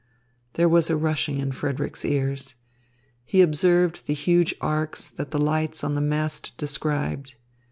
There was a rushing in Frederick's ears. He observed the huge arcs that the lights on the mast described.